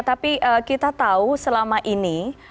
tapi kita tahu selama ini